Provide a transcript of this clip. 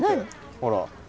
ほら。